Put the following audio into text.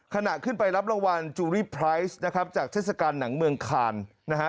ขณะขึ้นไปรับรางวัลจูรีไพรส์นะครับจากเทศกาลหนังเมืองคานนะฮะ